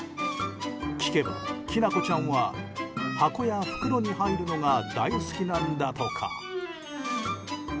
聞けば、きなこちゃんは箱や袋に入るのが大好きなんだとか。